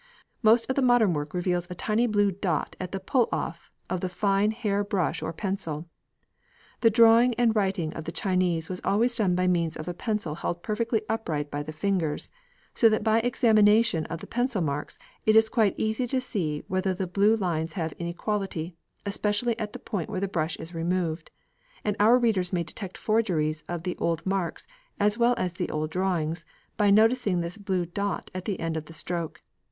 Most of the modern work reveals a tiny blue dot at the pull off of the fine hair brush or pencil. The drawing and writing of the Chinese was always done by means of a pencil held perfectly upright by the fingers, so that by examination of the pencil marks it is quite easy to see whether the blue lines have inequality, especially at the point where the brush is removed, and our readers may detect forgeries of the old marks as well as the old drawings by noticing this blue dot at the end of the stroke.